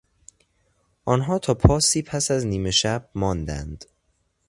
آنها تا پاسی پس از نیمه شب ماندند.